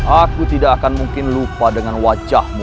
aku tidak akan mungkin lupa deufankwajahmu